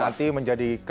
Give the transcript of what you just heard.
a sampai z